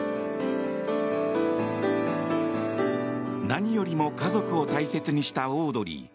何よりも家族を大切にしたオードリー。